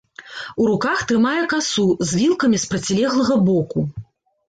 У руках трымае касу з вілкамі з процілеглага боку.